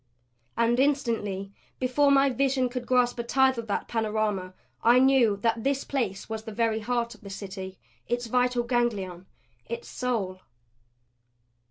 And instantly, before my vision could grasp a tithe of that panorama, I knew that this place was the very heart of the City; its vital ganglion; its soul.